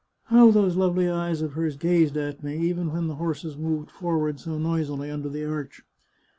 ' How those lovely eyes of hers gazed at me, even when the horses moved forward so noisily under the arch